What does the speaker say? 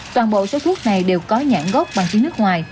toàn bộ số thuốc này đều có nhãn gốc bằng tiếng nước ngoài